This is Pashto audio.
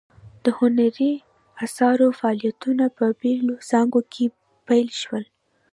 د هنري اثارو فعالیتونه په بیلو څانګو کې پیل شول.